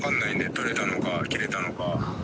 取れたのか、切れたのか。